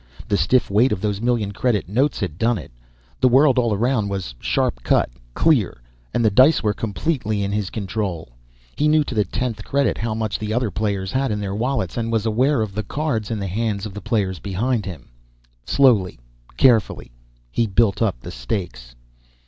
The stiff weight of those million credit notes had done it. The world all around was sharp cut clear and the dice was completely in his control. He knew to the tenth credit how much the other players had in their wallets and was aware of the cards in the hands of the players behind him. Slowly, carefully, he built up the stakes.